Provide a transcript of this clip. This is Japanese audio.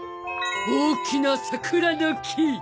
大きな桜の木。